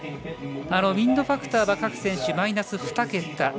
ウインドファクターは各選手マイナス２桁。